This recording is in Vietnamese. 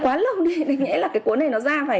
quá lâu nên nghĩa là cái cuốn này nó ra